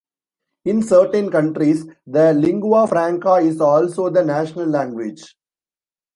In certain countries, the "lingua franca" is also the national language.